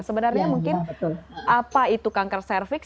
sebenarnya mungkin apa itu kanker cervix